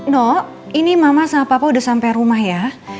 no ini mama sama papa udah sampai rumah ya